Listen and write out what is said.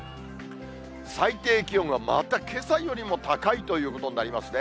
最低気温はまたけさよりも高いということになりますね。